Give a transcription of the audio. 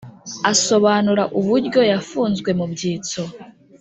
Asobanura uburyo yafunzwe mu byitso